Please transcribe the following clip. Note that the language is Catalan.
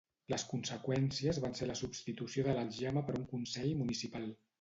Les conseqüències van ser la substitució de l'Aljama per un Consell municipal.